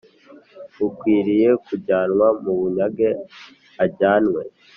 H ukwiriye kujyanwa mu bunyage ajyanwe